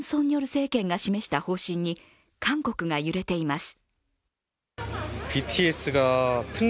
政権が示した方針に韓国が揺れています。